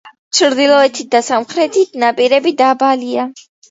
ჩრდილოეთი და სამხრეთი ნაპირები დაბალია.